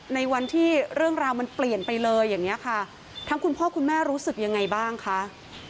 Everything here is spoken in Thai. ในวันที่เรื่องราวมันเปลี่ยนไปเลยอย่างนี้ค่ะทั้งคุณพ่อคุณแม่รู้สึกยังไงบ้างคะ